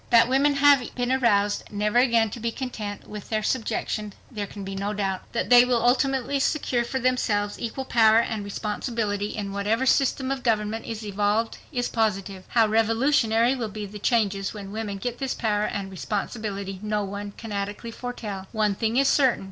That women have been aroused never again to be content with their subjection there can be no doubt. That they will ultimately secure for themselves equal power and responsibility in whatever system of government is evolved is positive. How revolutionary will be the changes when women get this power and responsibility no one can adequately foretell. One thing is certain.